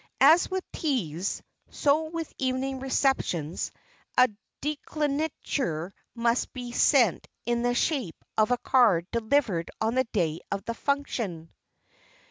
As with teas, so with evening receptions, a declinature must be sent in the shape of a card delivered on the day of the function.